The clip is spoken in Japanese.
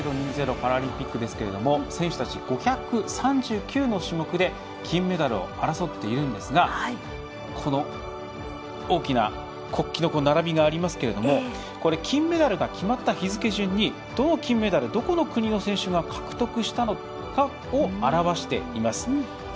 パラリンピック選手たち５３９の種目で金メダルを争っているんですがこの大きな国旗の並びがありますけれども金メダルが決まった日付順にどの金メダルをどこの国の選手が獲得したのかを表しています。